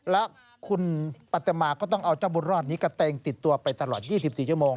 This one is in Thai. และคุณปัตมาก็ต้องเอาเจ้าบุญรอดนี้กระเตงติดตัวไปตลอด๒๔ชั่วโมง